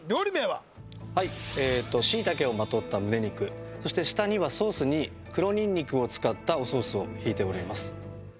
はいシイタケをまとったむね肉そして下にはソースに黒ニンニクを使ったおソースを引いております